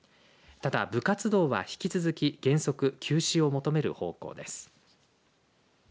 ただ、部活動は引き続き原則、休止を求める方向です。